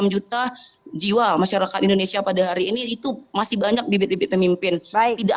dua ratus tujuh puluh enam juta jiwa masyarakat indonesia pada hari ini itu masih banyak bibit bibit pemimpin baik tidak